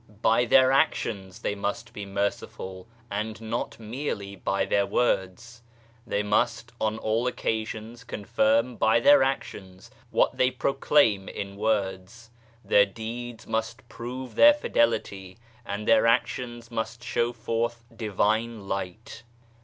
By their actions they must be merciful and not merely by their words. They must on all occasions confirm by their actions what they proclaim in words. Their deeds must prove their fidelity, and their actions must show forth Divine Light.